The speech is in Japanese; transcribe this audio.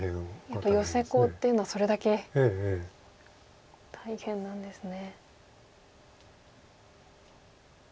やっぱりヨセコウっていうのはそれだけ大変なんですね。